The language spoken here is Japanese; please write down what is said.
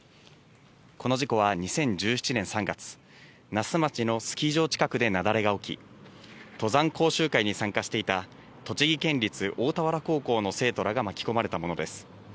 この事故は２０１７年３月、那須町のスキー場近くで雪崩が起き、登山講習会に参加していた、栃木県立大田原高校の生徒らが巻き込まれたものです。